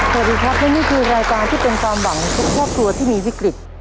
สวัสดีครับและนี่คือรายการที่เป็นความหวังของทุกครอบครัวที่มีวิกฤต